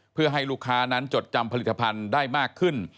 เพื่อให้ลูกค้านั้นจดจำผลิตภัณฑ์ได้มากขึ้น